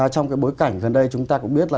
trong cái bối cảnh gần đây chúng ta cũng biết là